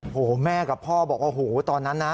โอ้โฮแม่กับพ่อบอกตอนนั้นนะ